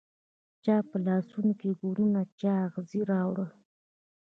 چا په لاسونوکې ګلونه، چااغزي راوړله